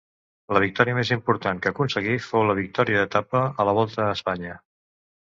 La victòria més important que aconseguí fou la victòria d'etapa a la Volta a Espanya.